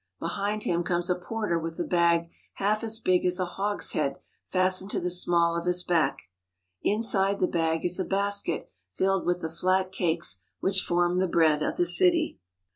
Behind him comes a porter with a bag half as big as a hogshead fastened to the small of his back. Inside the bag is a basket filled with the flat cakes which form the bread of the city.